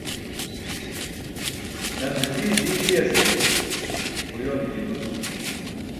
Nan Hajiye ji giyas ke uyoone jii duusimi.